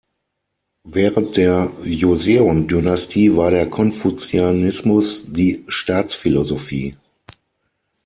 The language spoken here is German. Während der Joseon-Dynastie war der Konfuzianismus die Staatsphilosophie.